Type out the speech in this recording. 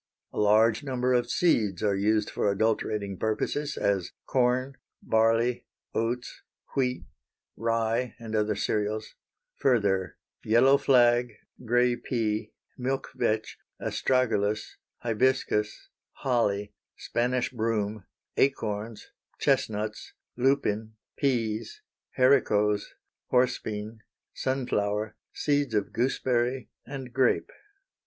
A large number of seeds are used for adulterating purposes, as corn, barley, oats, wheat, rye, and other cereals; further, yellow flag, gray pea, milk vetch, astragalus, hibiscus, holly, Spanish broom, acorns, chestnuts, lupin, peas, haricots, horse bean, sun flower, seeds of gooseberry and grape.